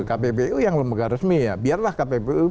kppu yang lembaga resmi ya biarlah kppu